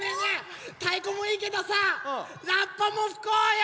たいこもいいけどさラッパもふこうよ！